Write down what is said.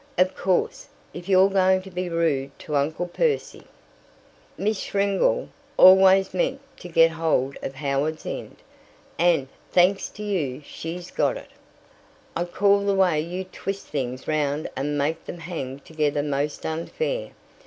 "Of course, if you're going to be rude to Uncle Percy " "Miss Schlegel always meant to get hold of Howards End, and, thanks to you, she's got it." "I call the way you twist things round and make them hang together most unfair.